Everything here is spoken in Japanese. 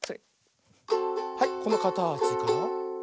はいこのかたちから。